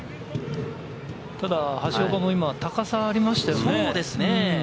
ただ橋岡も高さがありましたよね。